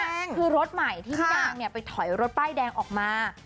อันนี้คือรถใหม่ที่พี่นางไปถอยรถป้ายแดงออกมา